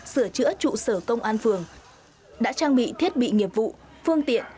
sửa chữa trụ sở công an phường đã trang bị thiết bị nghiệp vụ phương tiện